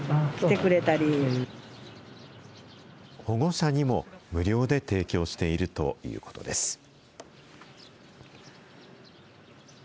保護者にも無料で提供しているということです。